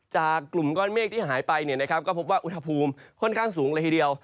จากกลุ่มก้อนเมฆที่หายไปก็พบว่าอุณหภูมิค่อนข้างสูงเลยทีเดียว